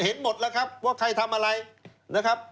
เห็นหมดแล้วครับว่าใครทำอะไรนะครับ